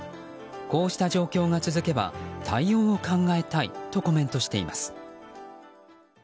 こうした状況が続けば対応を考えたいとコメントしています。